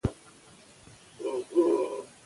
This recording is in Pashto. نارینه د مالي مسئولیت له مخې پر ښځو لوړ دی.